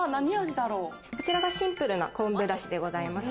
こちらがシンプルな昆布だしでございます。